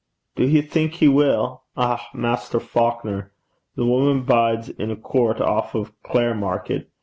'Do ye think he will? Eh, Maister Faukner! The wuman bides in a coort off o' Clare Market.